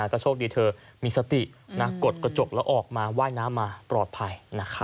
ก็โชคดีเธอมีสติกดกระจกแล้วออกมาว่ายน้ำมาปลอดภัย